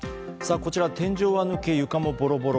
こちら、天井は抜け床もボロボロ。